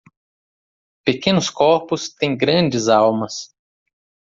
Pequenos corpos têm grandes almas.